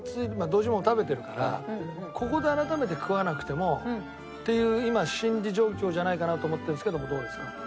まあ堂島ロール食べてるからここで改めて食わなくてもっていう今心理状況じゃないかなと思ってるんですけどもどうですか？